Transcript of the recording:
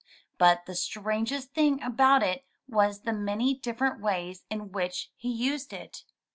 But the strangest thing about it was the many different ways in which he used it.